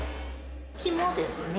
肝ですね。